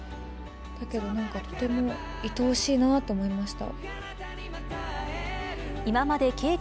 だけどなんか、とてもいとおしいなと思いました。